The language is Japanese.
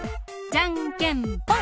じゃんけんぽん！